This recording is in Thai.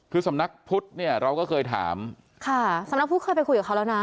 คือสำนักพุทธเนี่ยเราก็เคยถามค่ะสำนักพุทธเคยไปคุยกับเขาแล้วนะ